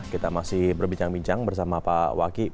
kita masih berbincang bincang bersama pak waki